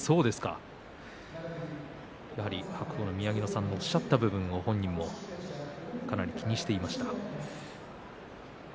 やはり白鵬、宮城野さんのおっしゃった部分を本人もかなり気にしていました。